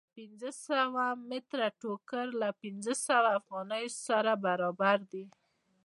پنځه پنځوس متره ټوکر له پنځه پنځوس افغانیو سره برابر دی